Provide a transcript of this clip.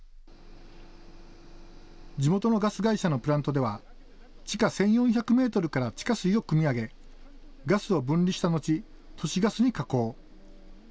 地元のガス会社のプラントでは地下１４００メートルから地下水をくみ上げ、ガスを分離した後、都市ガスに加工。